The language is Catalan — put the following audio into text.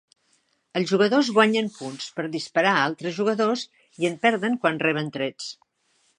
Els jugadors guanyen punts per disparar a altres jugadors i en perden quan reben trets.